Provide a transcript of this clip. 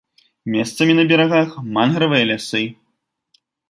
Месцамі на берагах мангравыя лясы.